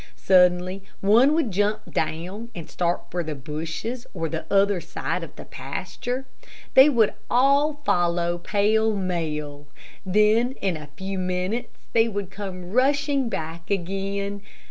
Suddenly one would jump down, and start for the bushes or the other side of the pasture. They would all follow pell mell; then in a few minutes they would come rushing back again.